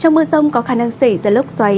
trong mưa rông có khả năng xảy ra lốc xoáy